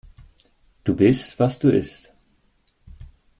Du bist, was du isst.